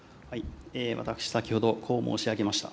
私、先ほどこう申し上げました。